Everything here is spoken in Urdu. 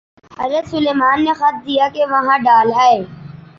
حضرت سلیمان نے خط دیا کہ وہاں ڈال آئے۔